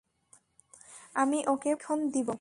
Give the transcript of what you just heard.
আমি ওকে প্রশিক্ষণ দিব।